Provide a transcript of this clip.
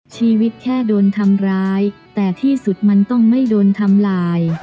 ชีวิตแค่โดนทำร้ายแต่ที่สุดมันต้องไม่โดนทำลาย